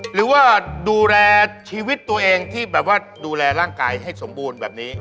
หรือว่าดูแลชีวิตตัวเองที่แบบว่าดูแลร่างกายให้สมบูรณ์แบบนี้